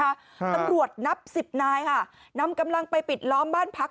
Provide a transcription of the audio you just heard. ตำรวจนับ๑๐นายนำกำลังไปปิดล้อมบ้านพัก